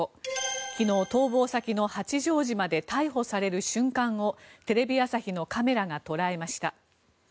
昨日、逃亡先の八丈島で逮捕される瞬間をテレビ朝日のカメラが捉えました。